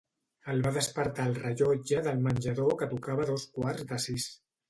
El va despertar el rellotge del menjador que tocava dos quarts de sis.